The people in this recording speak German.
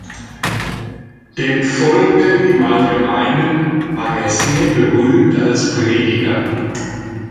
Dem Volke im Allgemeinen war er sehr berühmt als Prediger.